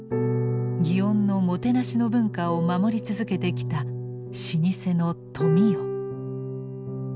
祇園のもてなしの文化を守り続けてきた老舗の富美代。